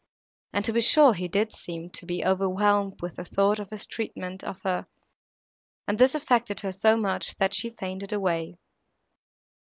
And to be sure he did seem to be overwhelmed with the thought of his treatment of her, and this affected her so much, that she fainted away.